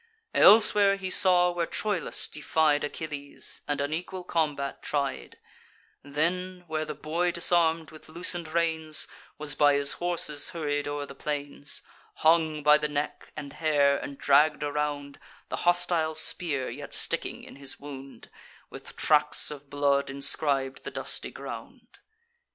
Elsewhere he saw where Troilus defied Achilles, and unequal combat tried; Then, where the boy disarm'd, with loosen'd reins, Was by his horses hurried o'er the plains, Hung by the neck and hair, and dragg'd around: The hostile spear, yet sticking in his wound, With tracks of blood inscrib'd the dusty ground.